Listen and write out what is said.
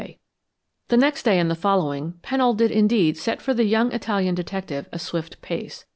K." The next day, and the following, Pennold did indeed set for the young Italian detective a swift pace.